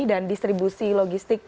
dan distribusi logistik